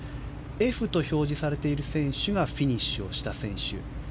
Ｆと表示されている選手がフィニッシュした選手。